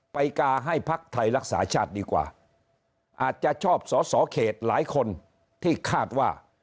กาให้พักไทยรักษาชาติดีกว่าอาจจะชอบสอสอเขตหลายคนที่คาดว่า